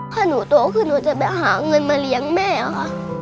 ถ้าหนูโตขึ้นหนูจะไปหาเงินมาเลี้ยงแม่ค่ะ